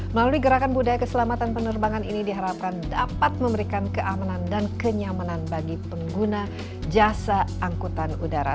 melalui gerakan budaya keselamatan penerbangan ini diharapkan dapat memberikan keamanan dan kenyamanan bagi pengguna jasa angkutan udara